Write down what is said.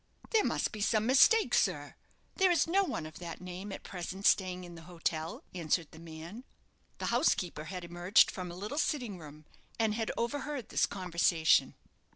"There must be some mistake, sir. There is no one of that name at present staying in the hotel," answered the man. The housekeeper had emerged from a little sitting room, and had overheard this conversation.